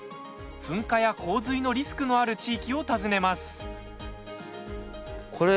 噴火や洪水のリスクのある地域を訪ねます。